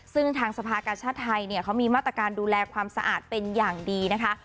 ซึ่งทางสภากาชาติไทยเขามีมาตรการดูแลความสะอาดเป็นอย่างดีนะคะ